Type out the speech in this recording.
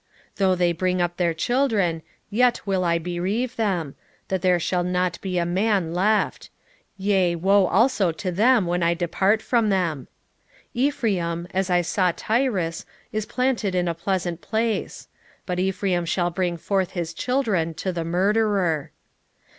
9:12 Though they bring up their children, yet will I bereave them, that there shall not be a man left: yea, woe also to them when I depart from them! 9:13 Ephraim, as I saw Tyrus, is planted in a pleasant place: but Ephraim shall bring forth his children to the murderer.